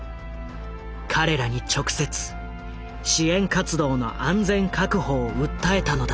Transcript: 彼らに直接支援活動の安全確保を訴えたのだ。